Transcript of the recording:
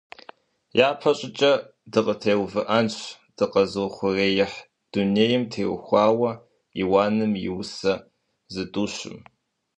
ЯпэщӀыкӀэ дыкъытеувыӀэнщ дыкъэзыухъуреихь дунейм теухуауэ Иуаным и усэ зытӀущым.